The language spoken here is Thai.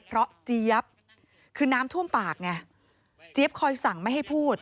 เพราะเจี๊ยบคือน้ำท่วมปากไงเจี๊ยบคอยสั่งไม่ให้พูด